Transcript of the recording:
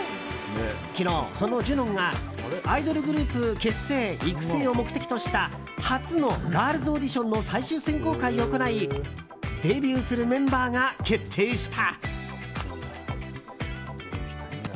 昨日、その「ＪＵＮＯＮ」がアイドルグループ結成・育成を目的とした初のガールズオーディションの最終選考会を行いデビューするメンバーが決定した。